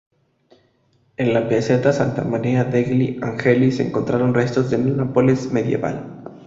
En la Piazzetta Santa Maria degli Angeli se encontraron restos de la Nápoles medieval.